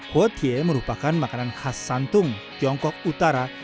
kuotie merupakan makanan khas santung tiongkok utara